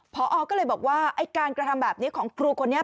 พอก็เลยบอกว่าไอ้การกระทำแบบนี้ของครูคนนี้